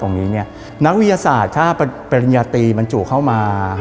นักวิทยาศาสตร์ถ้าปริญญาตรีบรรจุเข้ามา